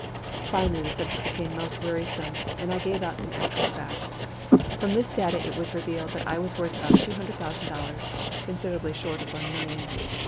Finally the subject became most wearisome, and I gave out some actual facts. From this data it was revealed that I was worth about $200,000, considerably short of one million.